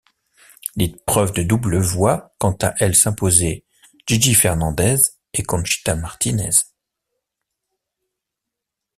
L'épreuve de double voit quant à elle s'imposer Gigi Fernández et Conchita Martínez.